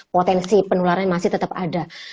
potensi penularan masih tetap ada